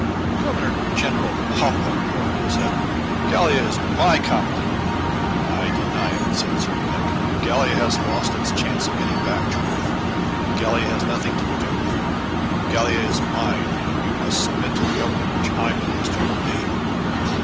"Governor General! humbug!" roared Rosette. "Gallia is my comet!" "I deny it," said Servadac. "Gallia has lost its chance of getting back to the earth. Gallia has nothing to do with you. Gallia is mine; and you must submit to the government which I please to ordain."